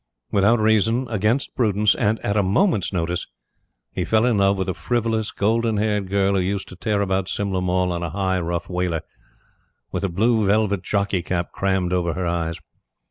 Without reason, against prudence, and at a moment's notice, he fell in love with a frivolous, golden haired girl who used to tear about Simla Mall on a high, rough waler, with a blue velvet jockey cap crammed over her eyes.